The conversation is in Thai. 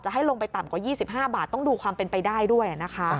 ให้ลงไปต่ำกว่า๒๕บาทต้องดูความเป็นไปได้ด้วยนะคะ